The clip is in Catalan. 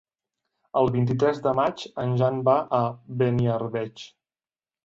El vint-i-tres de maig en Jan va a Beniarbeig.